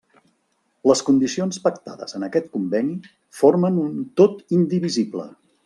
Les condicions pactades en aquest conveni formen un tot indivisible.